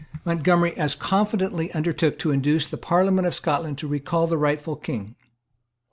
Montgomery as confidently undertook to induce the Parliament of Scotland to recall the rightful King.